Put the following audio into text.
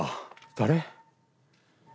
誰？